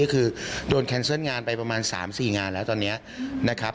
ก็คือโดนแคนเซิลงานไปประมาณ๓๔งานแล้วตอนนี้นะครับ